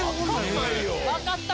分かった！